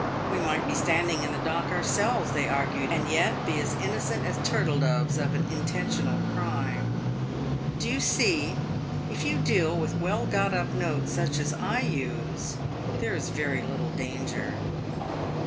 ' We might be standing in the dock our selves,' they argued, ' and yet be as innocent as turtle doves of an intentional crime.' Do you see, if you deal with well got up notes such as I use, there is very little danger."